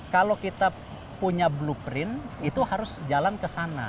kalau kita punya blueprint itu harus jalan kesana